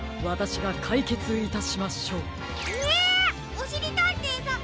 おしりたんていさん